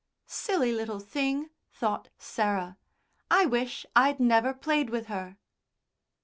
"Silly little thing," thought Sarah. "I wish I'd never played with her."